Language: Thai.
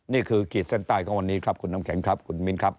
ขีดเส้นใต้ของวันนี้ครับคุณน้ำแข็งครับคุณมิ้นครับ